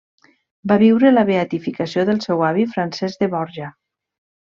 Va viure la beatificació del seu avi Francesc de Borja.